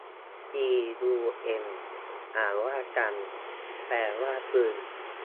จียูเอ็น อ่านว่ากัน แปลว่าปืน